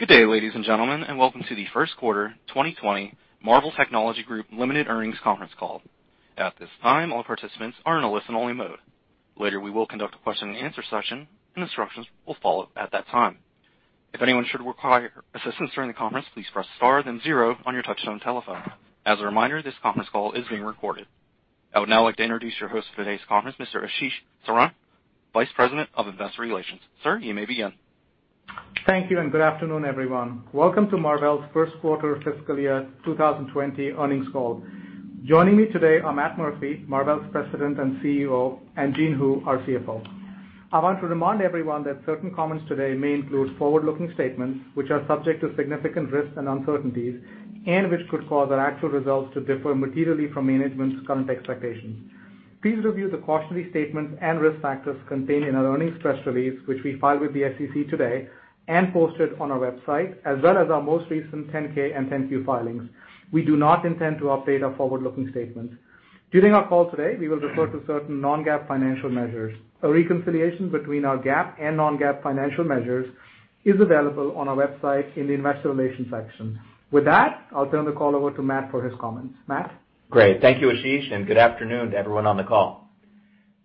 Good day, ladies and gentlemen, welcome to the first quarter 2020 Marvell Technology Group Ltd. earnings conference call. At this time, all participants are in a listen-only mode. Later, we will conduct a question and answer session, Instructions will follow at that time. If anyone should require assistance during the conference, please press star then zero on your touchtone telephone. As a reminder, this conference call is being recorded. I would now like to introduce your host for today's conference, Mr. Ashish Saran, Vice President of Investor Relations. Sir, you may begin. Thank you, Good afternoon, everyone. Welcome to Marvell's first quarter fiscal year 2020 earnings call. Joining me today are Matt Murphy, Marvell's President and CEO, and Jean Hu, our CFO. I want to remind everyone that certain comments today may include forward-looking statements, which are subject to significant risks and uncertainties, which could cause our actual results to differ materially from management's current expectations. Please review the cautionary statements and risk factors contained in our earnings press release, which we filed with the SEC today and posted on our website, as well as our most recent 10-K and 10-Q filings. We do not intend to update our forward-looking statements. During our call today, we will refer to certain non-GAAP financial measures. A reconciliation between our GAAP and non-GAAP financial measures is available on our website in the investor relations section. With that, I'll turn the call over to Matt for his comments. Matt? Great. Thank you, Ashish, Good afternoon to everyone on the call.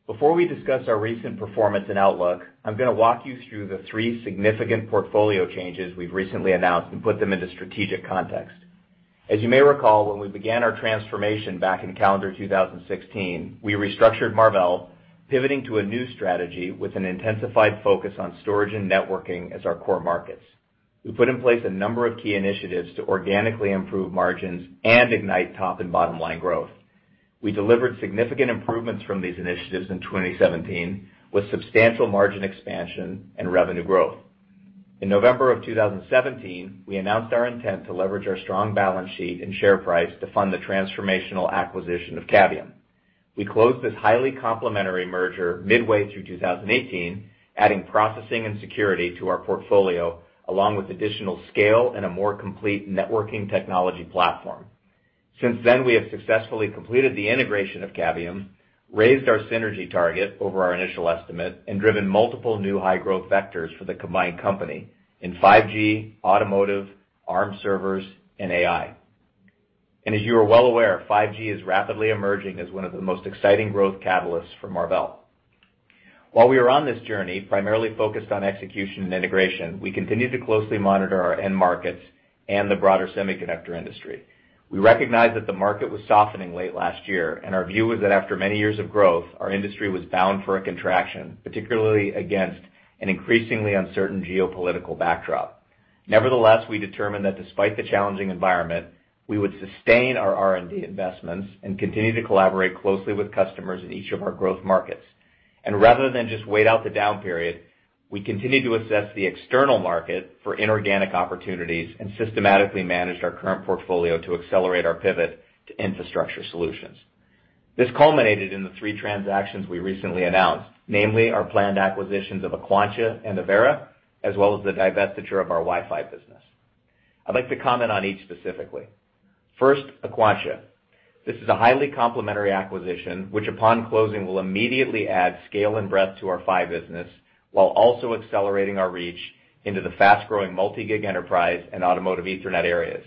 Before we discuss our recent performance and outlook, I'm going to walk you through the three significant portfolio changes we've recently announced and put them into strategic context. As you may recall, when we began our transformation back in calendar 2016, we restructured Marvell, pivoting to a new strategy with an intensified focus on storage and networking as our core markets. We put in place a number of key initiatives to organically improve margins and ignite top and bottom-line growth. We delivered significant improvements from these initiatives in 2017, with substantial margin expansion and revenue growth. In November of 2017, we announced our intent to leverage our strong balance sheet and share price to fund the transformational acquisition of Cavium. We closed this highly complementary merger midway through 2018, adding processing and security to our portfolio, along with additional scale and a more complete networking technology platform. Since then, we have successfully completed the integration of Cavium, raised our synergy target over our initial estimate, and driven multiple new high-growth vectors for the combined company in 5G, automotive, Arm servers, and AI. As you are well aware, 5G is rapidly emerging as one of the most exciting growth catalysts for Marvell. While we are on this journey, primarily focused on execution and integration, we continue to closely monitor our end markets and the broader semiconductor industry. We recognized that the market was softening late last year, and our view is that after many years of growth, our industry was bound for a contraction, particularly against an increasingly uncertain geopolitical backdrop. Nevertheless, we determined that despite the challenging environment, we would sustain our R&D investments and continue to collaborate closely with customers in each of our growth markets. Rather than just wait out the down period, we continued to assess the external market for inorganic opportunities and systematically managed our current portfolio to accelerate our pivot to infrastructure solutions. This culminated in the three transactions we recently announced, namely our planned acquisitions of Aquantia and Avera, as well as the divestiture of our Wi-Fi business. I'd like to comment on each specifically. First, Aquantia. This is a highly complementary acquisition, which upon closing, will immediately add scale and breadth to our PHY business, while also accelerating our reach into the fast-growing multi-gig enterprise and automotive Ethernet areas.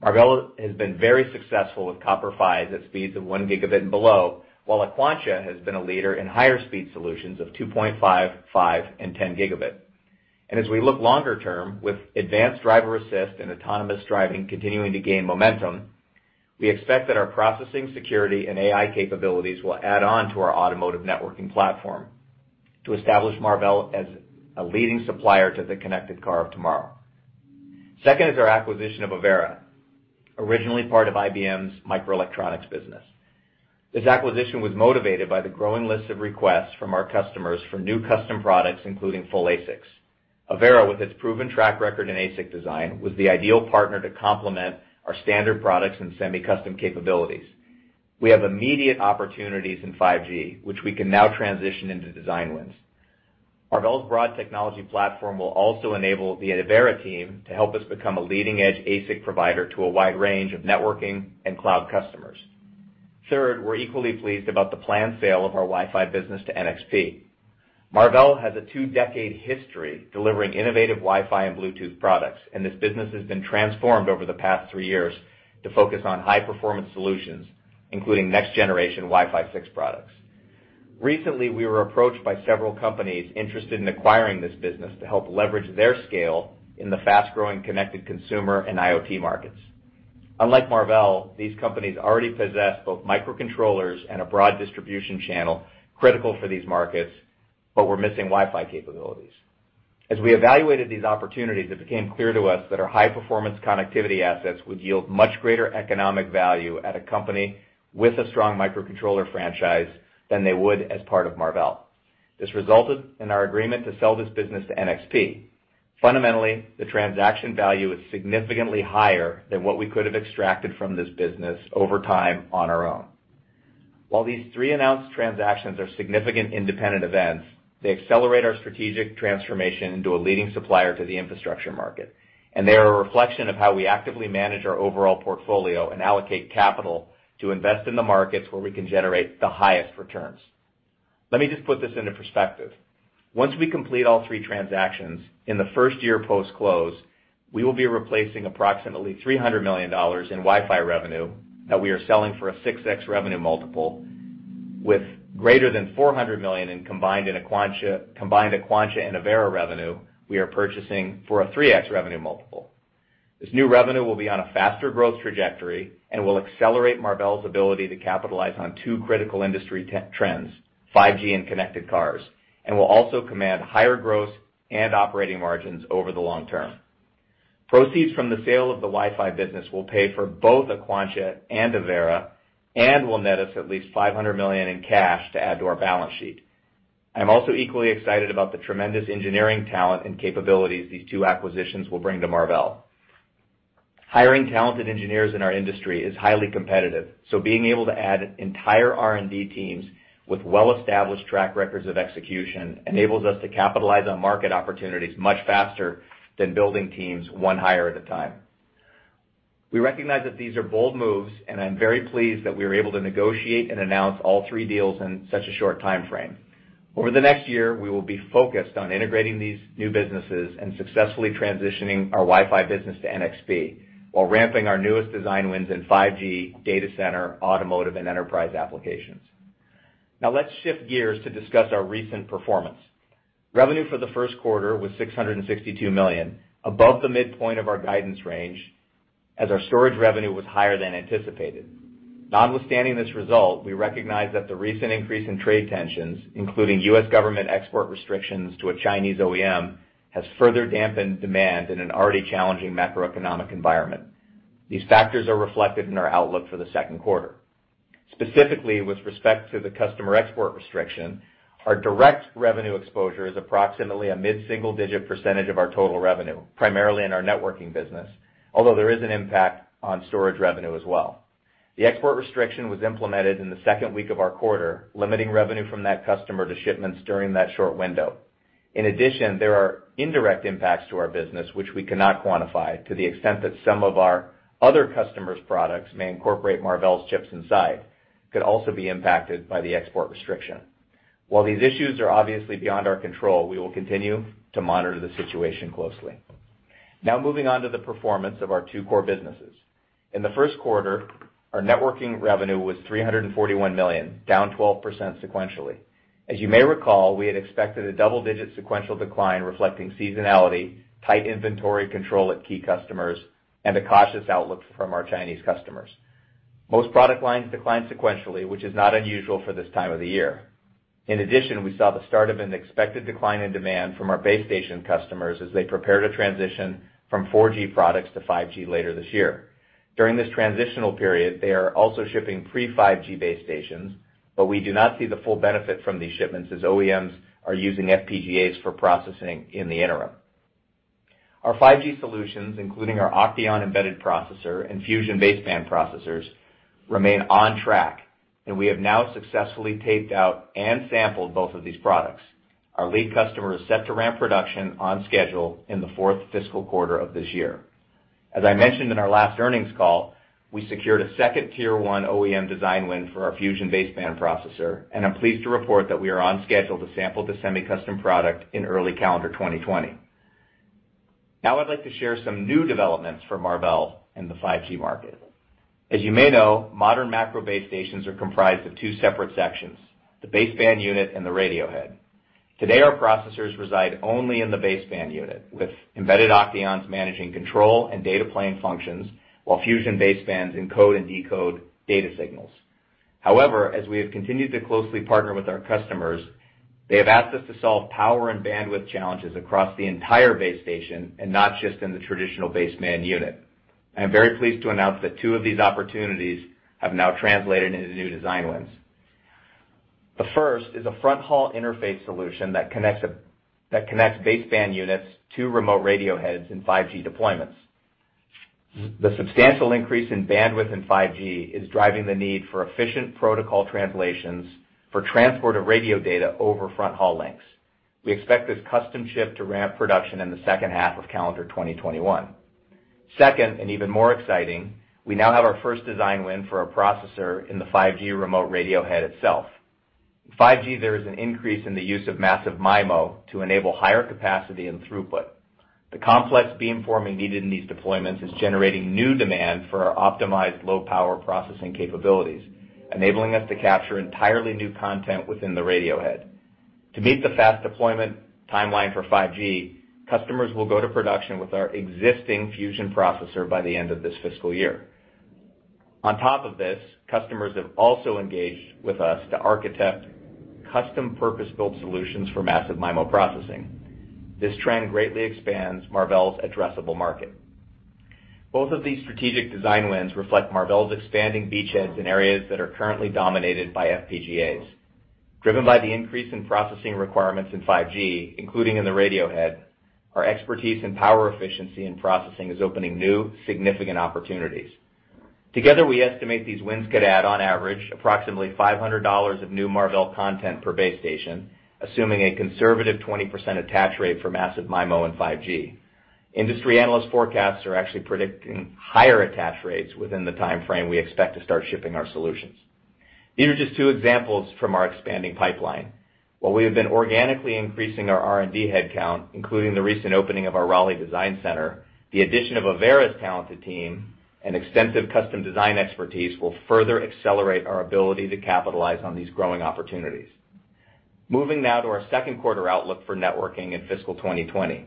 Marvell has been very successful with copper PHYs at speeds of one gigabit and below, while Aquantia has been a leader in higher speed solutions of 2.5, five, and 10 gigabit. As we look longer term, with advanced driver-assist and autonomous driving continuing to gain momentum, we expect that our processing security and AI capabilities will add on to our automotive networking platform to establish Marvell as a leading supplier to the connected car of tomorrow. Second is our acquisition of Avera, originally part of IBM's microelectronics business. This acquisition was motivated by the growing list of requests from our customers for new custom products, including full ASICs. Avera, with its proven track record in ASIC design, was the ideal partner to complement our standard products and semi-custom capabilities. We have immediate opportunities in 5G, which we can now transition into design wins. Marvell's broad technology platform will also enable the Avera team to help us become a leading-edge ASIC provider to a wide range of networking and cloud customers. Third, we're equally pleased about the planned sale of our Wi-Fi business to NXP. Marvell has a two-decade history delivering innovative Wi-Fi and Bluetooth products, and this business has been transformed over the past three years to focus on high-performance solutions, including next-generation Wi-Fi 6 products. Recently, we were approached by several companies interested in acquiring this business to help leverage their scale in the fast-growing connected consumer and IoT markets. Unlike Marvell, these companies already possess both microcontrollers and a broad distribution channel critical for these markets but were missing Wi-Fi capabilities. As we evaluated these opportunities, it became clear to us that our high-performance connectivity assets would yield much greater economic value at a company with a strong microcontroller franchise than they would as part of Marvell. This resulted in our agreement to sell this business to NXP. Fundamentally, the transaction value is significantly higher than what we could have extracted from this business over time on our own. While these three announced transactions are significant independent events, they accelerate our strategic transformation into a leading supplier to the infrastructure market, and they are a reflection of how we actively manage our overall portfolio and allocate capital to invest in the markets where we can generate the highest returns. Let me just put this into perspective. Once we complete all three transactions, in the first year post-close, we will be replacing approximately $300 million in Wi-Fi revenue that we are selling for a 6x revenue multiple, with greater than $400 million in combined Aquantia and Avera revenue we are purchasing for a 3x revenue multiple. This new revenue will be on a faster growth trajectory and will accelerate Marvell's ability to capitalize on two critical industry trends, 5G and connected cars, and will also command higher gross and operating margins over the long term. Proceeds from the sale of the Wi-Fi business will pay for both Aquantia and Avera and will net us at least $500 million in cash to add to our balance sheet. I'm also equally excited about the tremendous engineering talent and capabilities these two acquisitions will bring to Marvell. Hiring talented engineers in our industry is highly competitive, so being able to add entire R&D teams with well-established track records of execution enables us to capitalize on market opportunities much faster than building teams one hire at a time. We recognize that these are bold moves, and I'm very pleased that we were able to negotiate and announce all three deals in such a short timeframe. Over the next year, we will be focused on integrating these new businesses and successfully transitioning our Wi-Fi business to NXP, while ramping our newest design wins in 5G, data center, automotive, and enterprise applications. Let's shift gears to discuss our recent performance. Revenue for the first quarter was $662 million, above the midpoint of our guidance range, as our storage revenue was higher than anticipated. Notwithstanding this result, we recognize that the recent increase in trade tensions, including U.S. government export restrictions to a Chinese OEM, has further dampened demand in an already challenging macroeconomic environment. These factors are reflected in our outlook for the second quarter. Specifically, with respect to the customer export restriction, our direct revenue exposure is approximately a mid-single-digit % of our total revenue, primarily in our networking business, although there is an impact on storage revenue as well. The export restriction was implemented in the second week of our quarter, limiting revenue from that customer to shipments during that short window. In addition, there are indirect impacts to our business, which we cannot quantify to the extent that some of our other customers' products may incorporate Marvell's chips inside. It could also be impacted by the export restriction. While these issues are obviously beyond our control, we will continue to monitor the situation closely. Moving on to the performance of our two core businesses. In the first quarter, our networking revenue was $341 million, down 12% sequentially. As you may recall, we had expected a double-digit sequential decline reflecting seasonality, tight inventory control at key customers, and a cautious outlook from our Chinese customers. Most product lines declined sequentially, which is not unusual for this time of the year. In addition, we saw the start of an expected decline in demand from our base station customers as they prepare to transition from 4G products to 5G later this year. During this transitional period, they are also shipping pre-5G base stations, but we do not see the full benefit from these shipments as OEMs are using FPGAs for processing in the interim. Our 5G solutions, including our OCTEON embedded processor and Fusion baseband processors, remain on track, and we have now successfully taped out and sampled both of these products. Our lead customer is set to ramp production on schedule in the fourth fiscal quarter of this year. As I mentioned in our last earnings call, we secured a second tier 1 OEM design win for our Fusion baseband processor, and I'm pleased to report that we are on schedule to sample the semi-custom product in early calendar 2020. I'd like to share some new developments for Marvell in the 5G market. As you may know, modern macro base stations are comprised of two separate sections, the baseband unit and the radiohead. Today, our processors reside only in the baseband unit, with embedded OCTEONs managing control and data plane functions, while Fusion basebands encode and decode data signals. As we have continued to closely partner with our customers, they have asked us to solve power and bandwidth challenges across the entire base station and not just in the traditional baseband unit. I am very pleased to announce that two of these opportunities have now translated into new design wins. The first is a front-haul interface solution that connects baseband units to remote radioheads in 5G deployments. The substantial increase in bandwidth in 5G is driving the need for efficient protocol translations for transport of radio data over front-haul links. We expect this custom chip to ramp production in the second half of calendar 2021. Second, and even more exciting, we now have our first design win for a processor in the 5G remote radiohead itself. In 5G, there is an increase in the use of massive MIMO to enable higher capacity and throughput. The complex beamforming needed in these deployments is generating new demand for our optimized low-power processing capabilities, enabling us to capture entirely new content within the radiohead. To meet the fast deployment timeline for 5G, customers will go to production with our existing Fusion processor by the end of this fiscal year. On top of this, customers have also engaged with us to architect custom purpose-built solutions for massive MIMO processing. This trend greatly expands Marvell's addressable market. Both of these strategic design wins reflect Marvell's expanding beachheads in areas that are currently dominated by FPGAs. Driven by the increase in processing requirements in 5G, including in the radiohead, our expertise in power efficiency and processing is opening new, significant opportunities. Together, we estimate these wins could add, on average, approximately $500 of new Marvell content per base station, assuming a conservative 20% attach rate for massive MIMO in 5G. Industry analyst forecasts are actually predicting higher attach rates within the timeframe we expect to start shipping our solutions. These are just two examples from our expanding pipeline. While we have been organically increasing our R&D headcount, including the recent opening of our Raleigh design center, the addition of Avera's talented team and extensive custom design expertise will further accelerate our ability to capitalize on these growing opportunities. Moving now to our second quarter outlook for networking in fiscal 2020.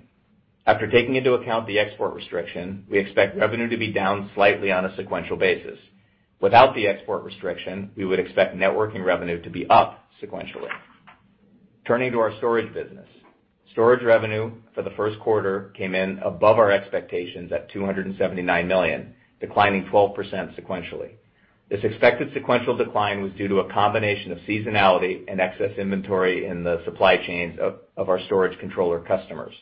After taking into account the export restriction, we expect revenue to be down slightly on a sequential basis. Without the export restriction, we would expect networking revenue to be up sequentially. Turning to our storage business. Storage revenue for the first quarter came in above our expectations at $279 million, declining 12% sequentially. This expected sequential decline was due to a combination of seasonality and excess inventory in the supply chains of our storage controller customers.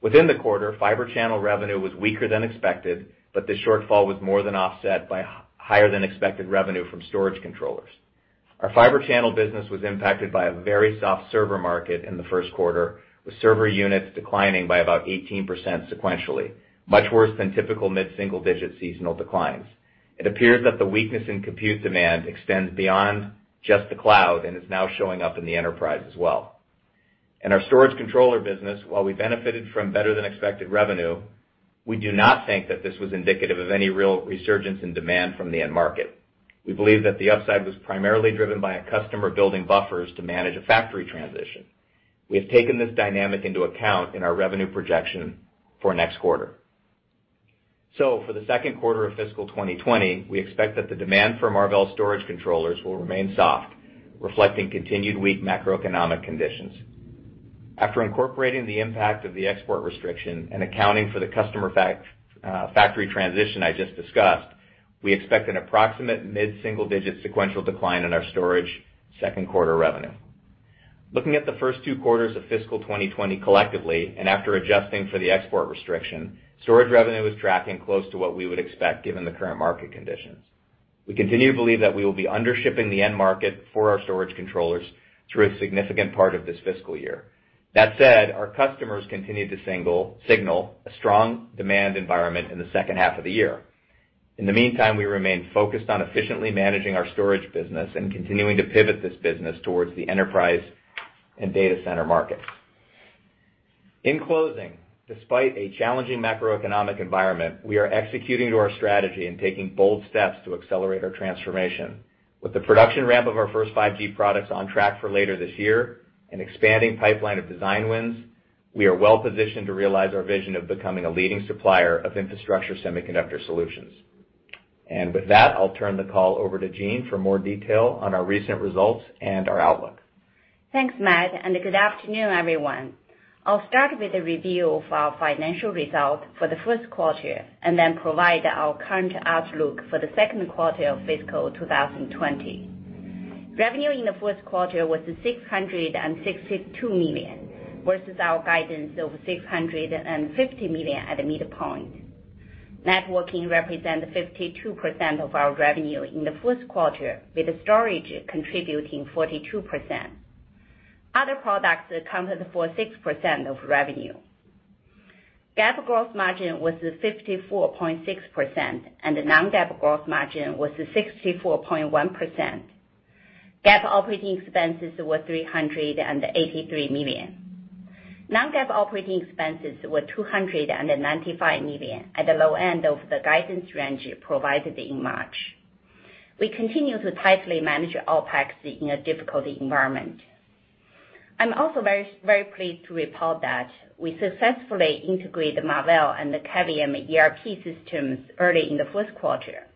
Within the quarter, fiber channel revenue was weaker than expected, but the shortfall was more than offset by higher than expected revenue from storage controllers. Our fiber channel business was impacted by a very soft server market in the first quarter, with server units declining by about 18% sequentially, much worse than typical mid-single digit seasonal declines. It appears that the weakness in compute demand extends beyond just the cloud and is now showing up in the enterprise as well. In our storage controller business, while we benefited from better than expected revenue, we do not think that this was indicative of any real resurgence in demand from the end market. We believe that the upside was primarily driven by a customer building buffers to manage a factory transition. We have taken this dynamic into account in our revenue projection for next quarter. For the second quarter of fiscal 2020, we expect that the demand for Marvell storage controllers will remain soft, reflecting continued weak macroeconomic conditions. After incorporating the impact of the export restriction and accounting for the customer factory transition I just discussed, we expect an approximate mid-single digit sequential decline in our storage second quarter revenue. Looking at the first two quarters of fiscal 2020 collectively, and after adjusting for the export restriction, storage revenue is tracking close to what we would expect given the current market conditions. We continue to believe that we will be under-shipping the end market for our storage controllers through a significant part of this fiscal year. That said, our customers continue to signal a strong demand environment in the second half of the year. In the meantime, we remain focused on efficiently managing our storage business and continuing to pivot this business towards the enterprise and data center market. In closing, despite a challenging macroeconomic environment, we are executing to our strategy and taking bold steps to accelerate our transformation. With the production ramp of our first 5G products on track for later this year and expanding pipeline of design wins, we are well-positioned to realize our vision of becoming a leading supplier of infrastructure semiconductor solutions. With that, I'll turn the call over to Jean for more detail on our recent results and our outlook. Thanks, Matt, and good afternoon, everyone. I'll start with a review of our financial results for the first quarter and then provide our current outlook for the second quarter of fiscal 2020. Revenue in the fourth quarter was $662 million, versus our guidance of $650 million at the midpoint. Networking represented 52% of our revenue in the first quarter, with storage contributing 42%. Other products accounted for 6% of revenue. GAAP gross margin was 54.6%, and the non-GAAP gross margin was 64.1%. GAAP operating expenses were $383 million. Non-GAAP operating expenses were $295 million at the low end of the guidance range provided in March. We continue to tightly manage OpEx in a difficult environment. I'm also very pleased to report that we successfully integrated Marvell and the Cavium ERP systems early in the first quarter.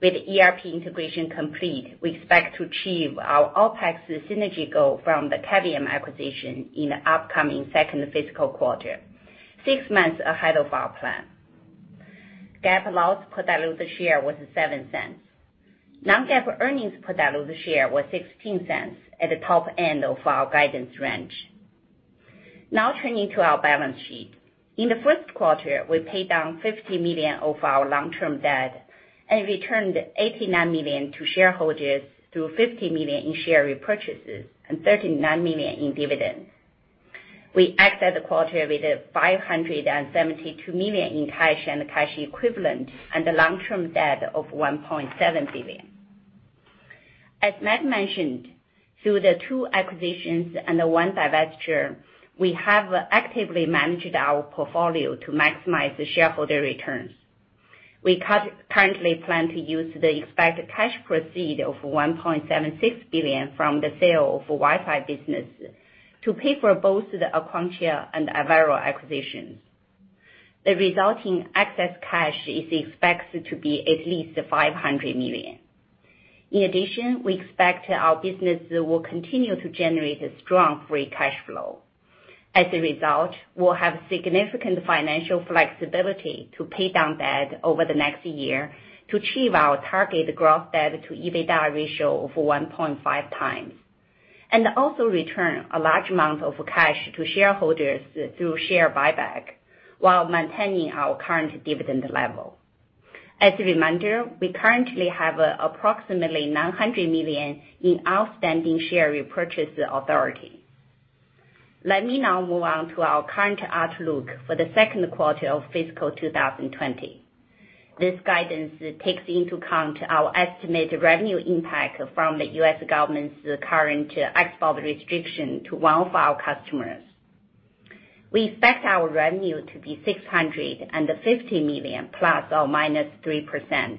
With ERP integration complete, we expect to achieve our OpEx synergy goal from the Cavium acquisition in the upcoming second fiscal quarter, six months ahead of our plan. GAAP loss per diluted share was $0.07. Non-GAAP earnings per diluted share was $0.16 at the top end of our guidance range. Turning to our balance sheet. In the first quarter, we paid down $50 million of our long-term debt and returned $89 million to shareholders through $50 million in share repurchases and $39 million in dividends. We exited the quarter with $572 million in cash and cash equivalents and a long-term debt of $1.7 billion. As Matt mentioned, through the two acquisitions and the one divestiture, we have actively managed our portfolio to maximize the shareholder returns. We currently plan to use the expected cash proceed of $1.76 billion from the sale of Wi-Fi business to pay for both the Aquantia and Avera acquisitions. The resulting excess cash is expected to be at least $500 million. In addition, we expect our business will continue to generate a strong free cash flow. As a result, we'll have significant financial flexibility to pay down debt over the next year to achieve our target gross debt to EBITDA ratio of 1.5 times, also return a large amount of cash to shareholders through share buyback while maintaining our current dividend level. As a reminder, we currently have approximately $900 million in outstanding share repurchase authority. Move on to our current outlook for the second quarter of fiscal 2020. This guidance takes into account our estimated revenue impact from the U.S. government's current export restriction to one of our customers. We expect our revenue to be $650 million ±3%.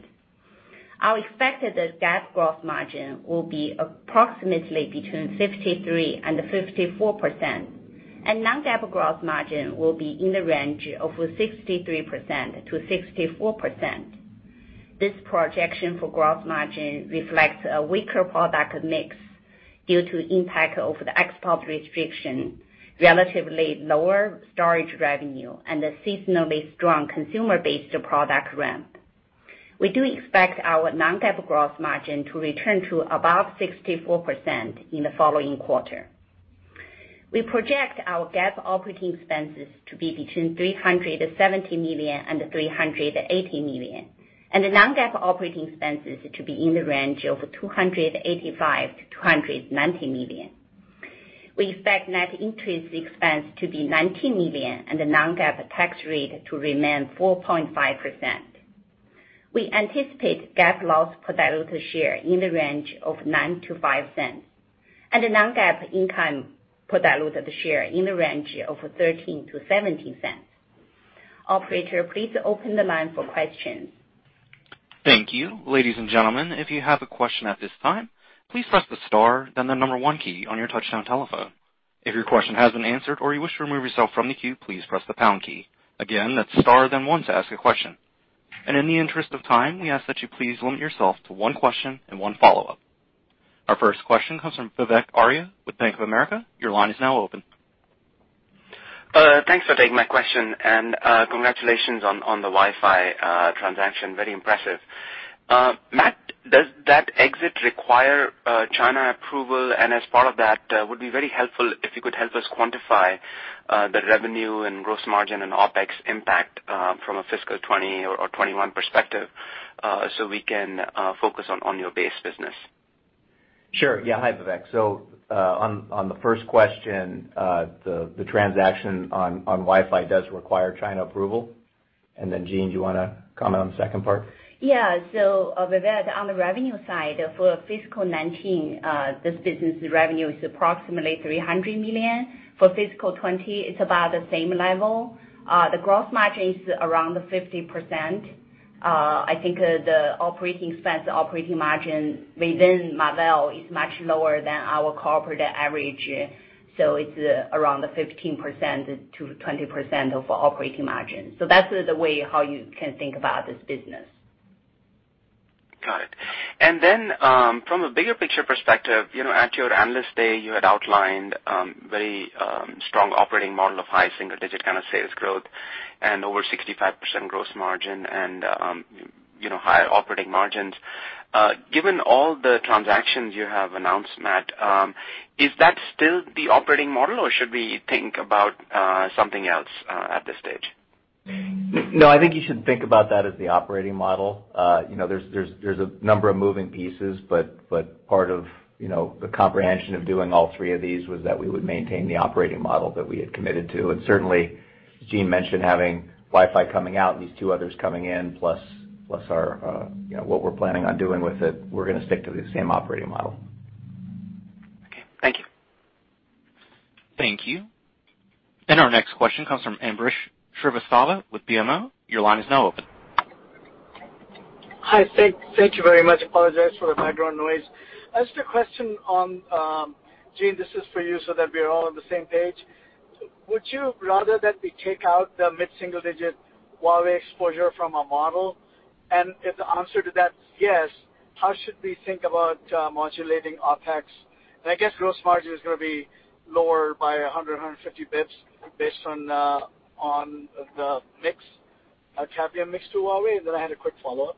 Our expected GAAP gross margin will be approximately between 53%-54%, and non-GAAP gross margin will be in the range of 63%-64%. This projection for gross margin reflects a weaker product mix due to impact of the export restriction, relatively lower storage revenue, and a seasonally strong consumer-based product ramp. We do expect our non-GAAP gross margin to return to above 64% in the following quarter. We project our GAAP operating expenses to be between $370 million-$380 million, and the non-GAAP operating expenses to be in the range of $285 million-$290 million. We expect net interest expense to be $19 million and the non-GAAP tax rate to remain 4.5%. We anticipate GAAP loss per diluted share in the range of $0.09-$0.05, and the non-GAAP income per diluted share in the range of $0.13-$0.17. Operator, please open the line for questions. Thank you. Ladies and gentlemen, if you have a question at this time, please press the star then the number one key on your touchtone telephone. If your question has been answered or you wish to remove yourself from the queue, please press the pound key. Again, that's star then one to ask a question. In the interest of time, we ask that you please limit yourself to one question and one follow-up. Our first question comes from Vivek Arya with Bank of America. Your line is now open. Thanks for taking my question, and congratulations on the Wi-Fi transaction. Very impressive. Matt, does that exit require China approval? As part of that, would be very helpful if you could help us quantify the revenue and gross margin and OpEx impact from a fiscal 2020 or 2021 perspective so we can focus on your base business. Sure. Yeah. Hi, Vivek. On the first question, the transaction on Wi-Fi does require China approval. Jean, do you want to comment on the second part? Yeah. Vivek, on the revenue side for fiscal 2019, this business revenue is approximately $300 million. For fiscal 2020, it's about the same level. The gross margin is around 50%. I think the operating margin within Marvell is much lower than our corporate average. It's around 15%-20% of operating margin. That's the way how you can think about this business. Got it. From a bigger picture perspective, at your analyst day, you had outlined very strong operating model of high single digit kind of sales growth and over 65% gross margin and higher operating margins. Given all the transactions you have announced, Matt, is that still the operating model, or should we think about something else at this stage? No, I think you should think about that as the operating model. There's a number of moving pieces, but part of the comprehension of doing all three of these was that we would maintain the operating model that we had committed to. Certainly, as Jean mentioned, having Wi-Fi coming out and these two others coming in, plus what we're planning on doing with it, we're going to stick to the same operating model. Okay. Thank you. Thank you. Our next question comes from Ambrish Srivastava with BMO. Your line is now open. Hi, thank you very much. Apologize for the background noise. I just have a question on, Jean, this is for you so that we are all on the same page. Would you rather that we take out the mid-single digit Huawei exposure from our model? If the answer to that's yes, how should we think about modulating OpEx? I guess gross margin is going to be lower by 100 basis points, 150 basis points based on the mix, change in mix to Huawei. Then I had a quick follow-up.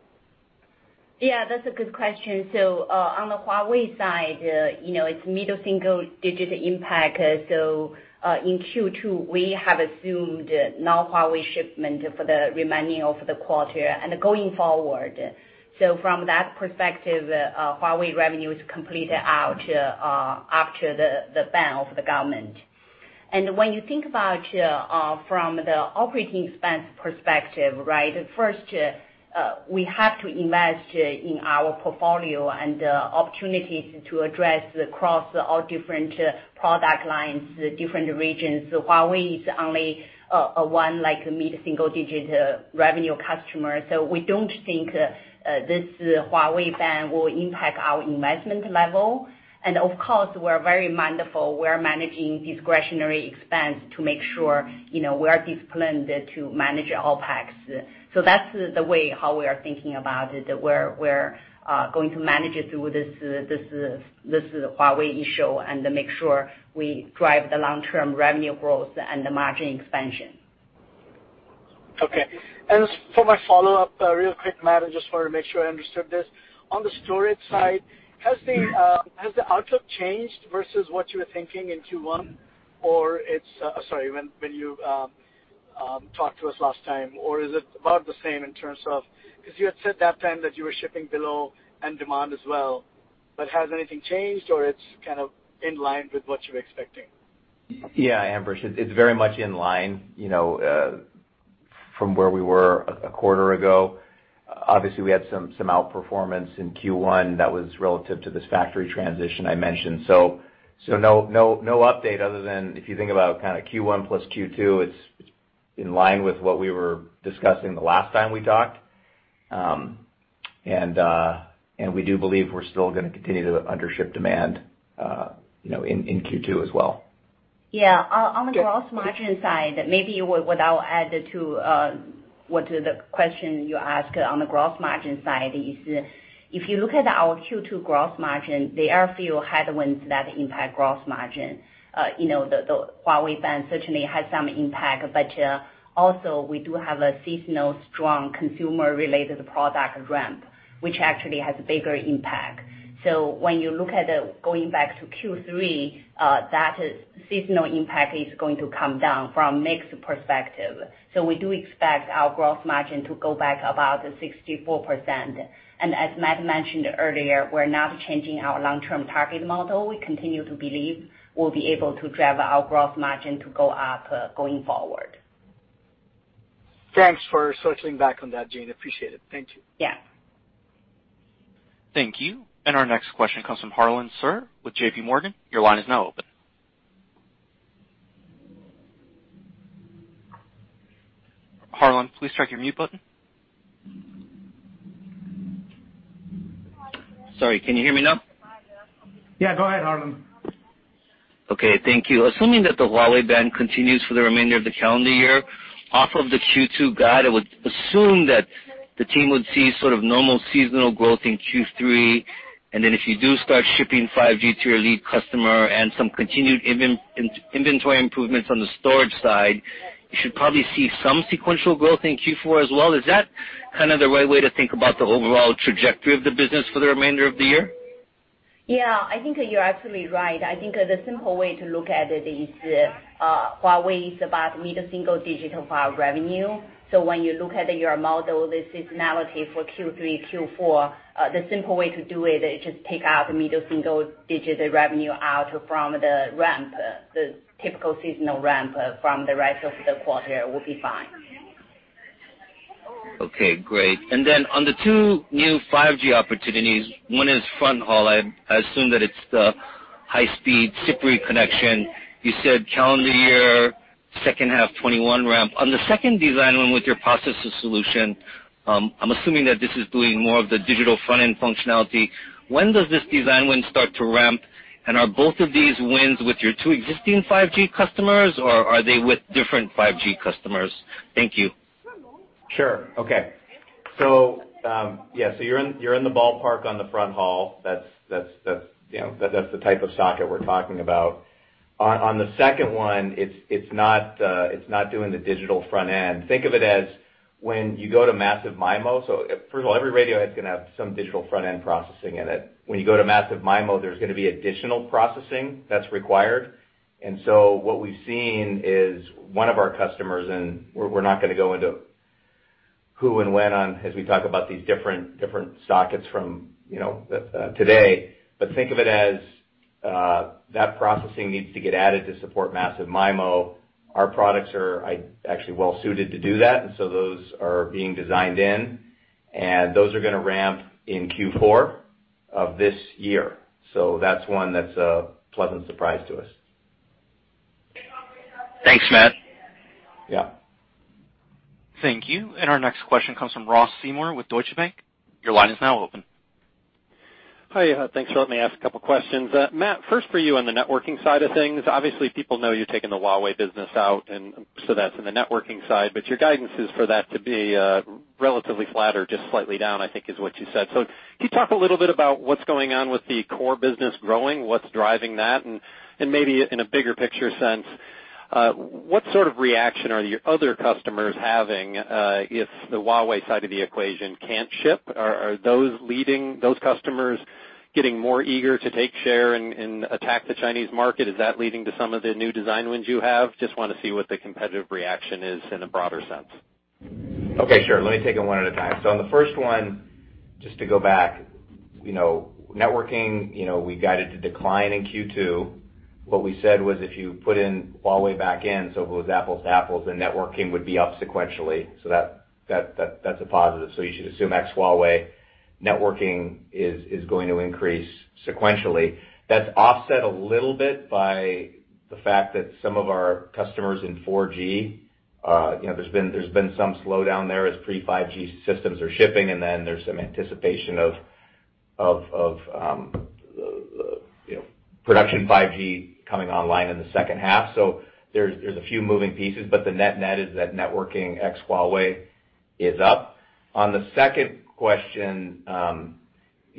Yeah, that's a good question. On the Huawei side, it's mid-single digit impact. In Q2, we have assumed no Huawei shipment for the remaining of the quarter and going forward. From that perspective, Huawei revenue is completely out after the ban of the government. When you think about from the operating expense perspective, first, we have to invest in our portfolio and opportunities to address across all different product lines, different regions. Huawei is only one mid-single digit revenue customer. We don't think this Huawei ban will impact our investment level. Of course, we're very mindful, we're managing discretionary expense to make sure we are disciplined to manage OpEx. That's the way how we are thinking about it, where we're going to manage it through this Huawei issue and make sure we drive the long-term revenue growth and the margin expansion. Okay. For my follow-up, real quick, Matt, I just wanted to make sure I understood this. On the storage side, has the outlook changed versus what you were thinking in Q1? Sorry, when you talked to us last time, or is it about the same in terms of You had said that time that you were shipping below end demand as well, has anything changed or it's kind of in line with what you're expecting? Yeah, Ambrish, it's very much in line from where we were a quarter ago. Obviously, we had some outperformance in Q1 that was relative to this factory transition I mentioned. No update other than if you think about kind of Q1 plus Q2, it's in line with what we were discussing the last time we talked. We do believe we're still going to continue to undership demand in Q2 as well. Yeah. On the gross margin side, maybe what I'll add to the question you asked on the gross margin side is, if you look at our Q2 gross margin, there are a few headwinds that impact gross margin. The Huawei ban certainly has some impact, also we do have a seasonal strong consumer-related product ramp, which actually has a bigger impact. When you look at going back to Q3, that seasonal impact is going to come down from a mix perspective. We do expect our gross margin to go back about 64%. As Matt mentioned earlier, we're not changing our long-term target model. We continue to believe we'll be able to drive our gross margin to go up going forward. Thanks for circling back on that, Jean. Appreciate it. Thank you. Yeah. Thank you. Our next question comes from Harlan Sur with JPMorgan. Your line is now open. Harlan, please check your mute button. Sorry, can you hear me now? Yeah, go ahead, Harlan. Okay. Thank you. Assuming that the Huawei ban continues for the remainder of the calendar year, off of the Q2 guide, I would assume that the team would see sort of normal seasonal growth in Q3. Then if you do start shipping 5G to your lead customer and some continued inventory improvements on the storage side, you should probably see some sequential growth in Q4 as well. Is that kind of the right way to think about the overall trajectory of the business for the remainder of the year? I think you're absolutely right. I think the simple way to look at it is Huawei is about mid-single digit revenue. When you look at your model, the seasonality for Q3, Q4, the simple way to do it is just take out the mid-single digit revenue out from the ramp, the typical seasonal ramp from the rest of the quarter will be fine. Okay, great. On the two new 5G opportunities, one is front haul. I assume that it's the high-speed CPRI connection. You said calendar year, second half 2021 ramp. On the second design win with your processor solution, I'm assuming that this is doing more of the digital front-end functionality. When does this design win start to ramp? Are both of these wins with your two existing 5G customers, or are they with different 5G customers? Thank you. Sure. Okay. Yeah, you're in the ballpark on the front haul. That's the type of socket we're talking about. On the second one, it's not doing the digital front end. Think of it as when you go to massive MIMO. First of all, every radio head's gonna have some digital front-end processing in it. When you go to massive MIMO, there's gonna be additional processing that's required. What we've seen is one of our customers, and we're not gonna go into who and when on as we talk about these different sockets from today. Think of it as that processing needs to get added to support massive MIMO. Our products are actually well-suited to do that, and so those are being designed in, and those are gonna ramp in Q4 of this year. That's one that's a pleasant surprise to us. Thanks, Matt. Yeah. Thank you. Our next question comes from Ross Seymore with Deutsche Bank. Your line is now open. Hi. Thanks for letting me ask a couple questions. Matt, first for you on the networking side of things. Obviously, people know you're taking the Huawei business out, and so that's in the networking side, but your guidance is for that to be relatively flat or just slightly down, I think is what you said. Can you talk a little bit about what's going on with the core business growing, what's driving that? Maybe in a bigger picture sense, what sort of reaction are your other customers having if the Huawei side of the equation can't ship? Are those customers getting more eager to take share and attack the Chinese market? Is that leading to some of the new design wins you have? Just want to see what the competitive reaction is in a broader sense. Okay, sure. Let me take them one at a time. On the first one, just to go back, networking, we guided to decline in Q2. What we said was if you put in Huawei back in, so it was apples to apples, then networking would be up sequentially. That's a positive. You should assume ex Huawei, networking is going to increase sequentially. That's offset a little bit by the fact that some of our customers in 4G, there's been some slowdown there as pre 5G systems are shipping, and then there's some anticipation of production 5G coming online in the second half. There's a few moving pieces, but the net is that networking ex Huawei is up. On the second question, the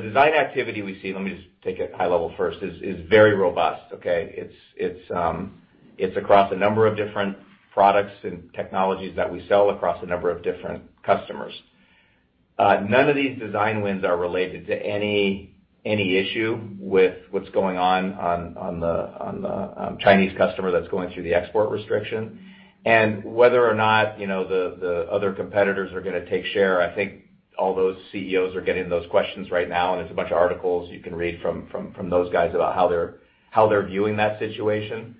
design activity we see, let me just take it high level first, is very robust, okay? It's across a number of different products and technologies that we sell across a number of different customers. None of these design wins are related to any issue with what's going on the Chinese customer that's going through the export restriction. Whether or not, the other competitors are going to take share, I think all those CEOs are getting those questions right now, and there's a bunch of articles you can read from those guys about how they're viewing that situation.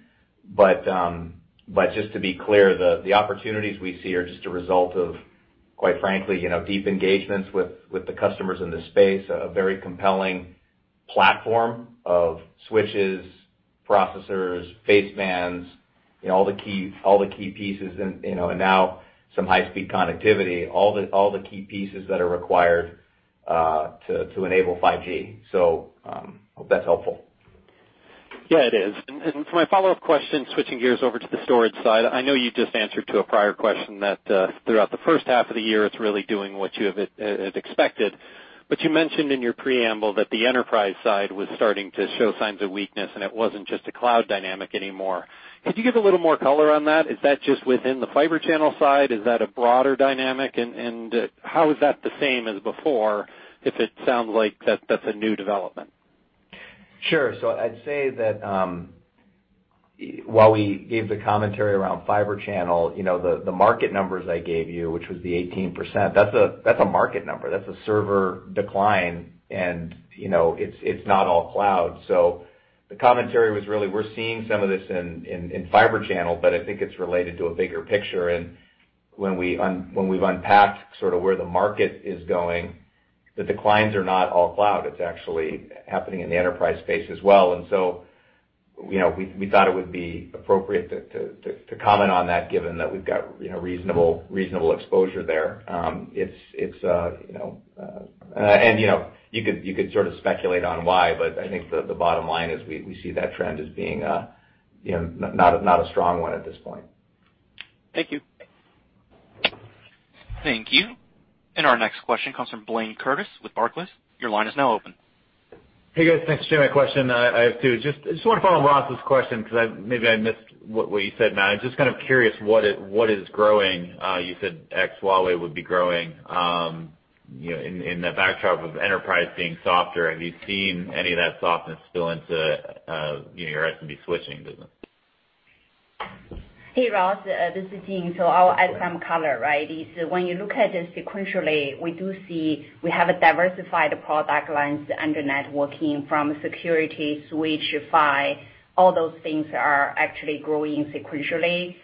Just to be clear, the opportunities we see are just a result of, quite frankly, deep engagements with the customers in this space, a very compelling platform of switches, processors, PHYs, all the key pieces, and now some high-speed connectivity, all the key pieces that are required to enable 5G. Hope that's helpful. Yeah, it is. For my follow-up question, switching gears over to the storage side. I know you just answered to a prior question that throughout the first half of the year, it's really doing what you have expected, but you mentioned in your preamble that the enterprise side was starting to show signs of weakness, and it wasn't just a cloud dynamic anymore. Could you give a little more color on that? Is that just within the fiber channel side? Is that a broader dynamic? How is that the same as before, if it sounds like that's a new development? Sure. I'd say that, while we gave the commentary around fiber channel, the market numbers I gave you, which was the 18%, that's a market number. That's a server decline. It's not all cloud. The commentary was really, we're seeing some of this in fiber channel, but I think it's related to a bigger picture. When we've unpacked sort of where the market is going, the declines are not all cloud. It's actually happening in the enterprise space as well. We thought it would be appropriate to comment on that given that we've got reasonable exposure there. You could sort of speculate on why, but I think the bottom line is we see that trend as being not a strong one at this point. Thank you. Thank you. Our next question comes from Blayne Curtis with Barclays. Your line is now open. Hey, guys. Thanks for taking my question. I have two. I just want to follow Ross's question because maybe I missed what you said, Matt. I just kind of curious what is growing. You said ex Huawei would be growing. In the backdrop of enterprise being softer, have you seen any of that softness spill into your SMB switching business? Hey, Ross. This is Jean. I'll add some color, right? Is when you look at it sequentially, we do see we have a diversified product lines under networking from security, switch, PHY. All those things are actually growing sequentially,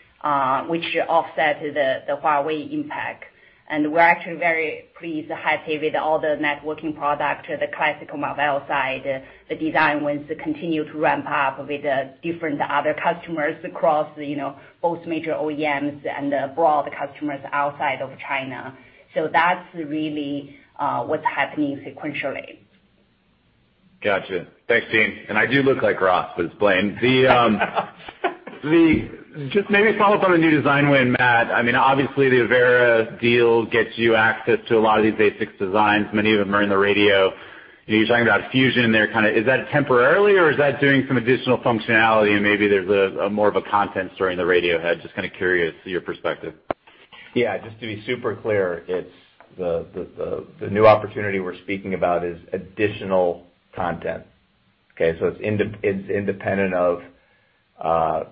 which offset the Huawei impact. We're actually very pleased to have with all the networking product, the classical Marvell side, the design wins to continue to ramp up with different other customers across both major OEMs and abroad customers outside of China. That's really what's happening sequentially. Got you. Thanks, Jean. I do look like Ross, but it's Blayne. I just maybe follow up on the new design win, Matt. Obviously, the Avera deal gets you access to a lot of these basic designs. Many of them are in the radio. You're talking about fusion there, is that temporarily, or is that doing some additional functionality and maybe there's more of a content story in the radio head? I just kind of curious to your perspective. Yeah. Just to be super clear, the new opportunity we're speaking about is additional content. Okay. It's independent of the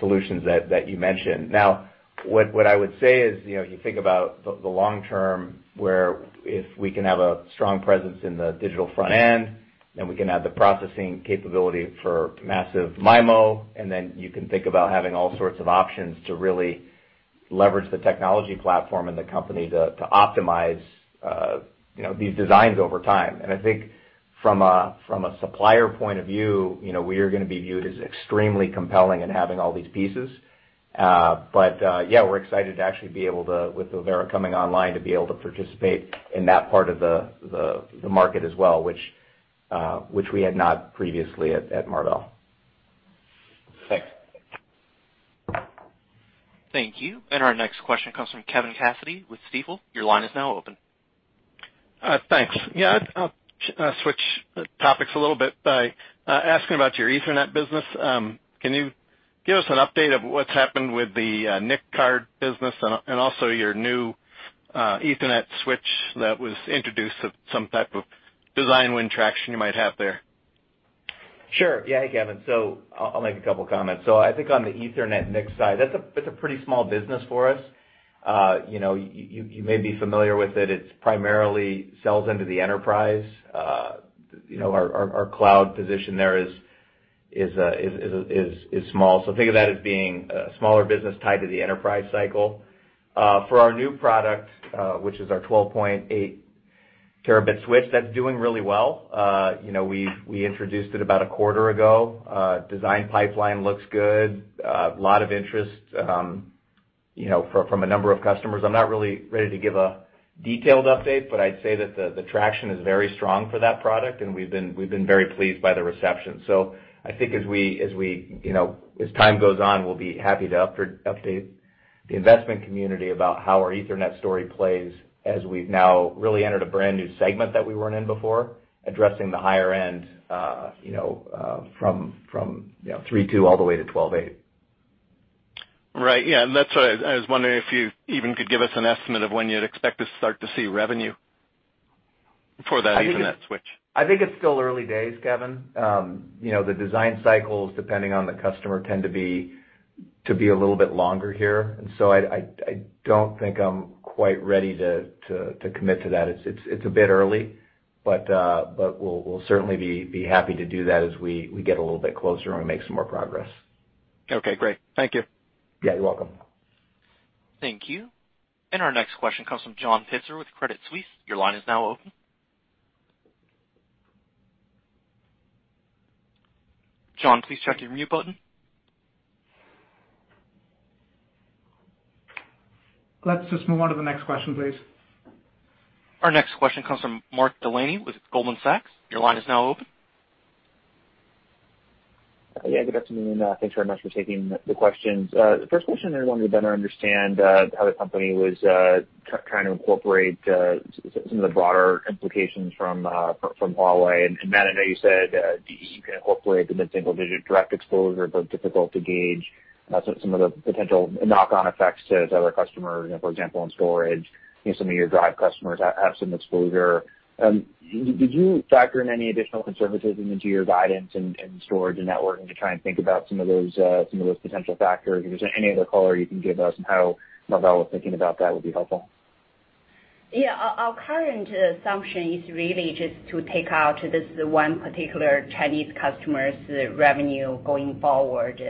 solutions that you mentioned. Now, what I would say is, you think about the long term, where if we can have a strong presence in the digital front end, then we can have the processing capability for massive MIMO, and then you can think about having all sorts of options to really leverage the technology platform and the company to optimize these designs over time. I think from a supplier point of view, we are going to be viewed as extremely compelling in having all these pieces. Yeah, we're excited to actually be able to, with Avera coming online, to be able to participate in that part of the market as well, which we had not previously at Marvell. Thanks. Thank you. Our next question comes from Kevin Cassidy with Stifel. Your line is now open. Thanks. Yeah, I'll switch topics a little bit by asking about your Ethernet business. Can you give us an update of what's happened with the NIC card business and also your new Ethernet switch that was introduced of some type of design win traction you might have there? Sure. Yeah. Kevin, I'll make a couple comments. I think on the Ethernet NIC side, that's a pretty small business for us. You may be familiar with it. It primarily sells into the enterprise. Our cloud position there is small. Think of that as being a smaller business tied to the enterprise cycle. For our new product, which is our 12.8 terabit switch, that's doing really well. We introduced it about a quarter ago. Design pipeline looks good. A lot of interest from a number of customers. I'm not really ready to give a detailed update, but I'd say that the traction is very strong for that product, and we've been very pleased by the reception. I think as time goes on, we'll be happy to update the investment community about how our Ethernet story plays as we've now really entered a brand new segment that we weren't in before, addressing the higher end from 32 all the way to 12.8. Right. Yeah, that's why I was wondering if you even could give us an estimate of when you'd expect to start to see revenue for that Ethernet switch. I think it's still early days, Kevin. The design cycles, depending on the customer, tend to be a little bit longer here. I don't think I'm quite ready to commit to that. It's a bit early, we'll certainly be happy to do that as we get a little bit closer and we make some more progress. Okay, great. Thank you. Yeah, you're welcome. Thank you. Our next question comes from John Pitzer with Credit Suisse. Your line is now open. John, please check your mute button. Let's just move on to the next question, please. Our next question comes from Mark Delaney with Goldman Sachs. Your line is now open. Yeah, good afternoon. Thanks very much for taking the questions. The first question, I wanted to better understand how the company was trying to incorporate some of the broader implications from Huawei. Matt, I know you said he can incorporate the mid-single-digit direct exposure, but difficult to gauge some of the potential knock-on effects to other customers, for example, in storage, some of your drive customers have some exposure. Did you factor in any additional conservatism into your guidance in storage and networking to try and think about some of those potential factors? If there's any other color you can give us on how Marvell was thinking about that would be helpful. Yeah, our current assumption is really just to take out this one particular Chinese customer's revenue going forward.